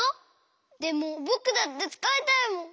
でもぼくだってつかいたいもん。